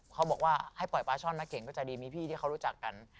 เขาบอกว่าให้ปล่อยปลาช่อนนะเก่งก็จะดีมีพี่ที่เขารู้จักกัน